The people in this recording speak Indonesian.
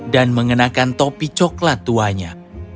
dan mengenakan topi coklat tuanya